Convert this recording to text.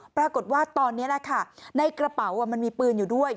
ปรากฏว่าตอนนี้แหละค่ะในกระเป๋ามันมีปืนอยู่ด้วย